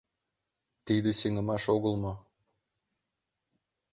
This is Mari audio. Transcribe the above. Тиде сеҥымаш огыл мо?